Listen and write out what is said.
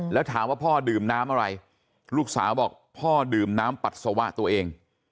แล้วถามว่าพ่อดื่มน้ำอะไรลูกสาวบอกพ่อดื่มน้ำปัสสาวะตัวเอง